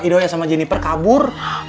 idoi sama jennifer kabur